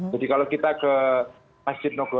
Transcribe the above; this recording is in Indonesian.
jadi kalau kita ke masjid nogotirto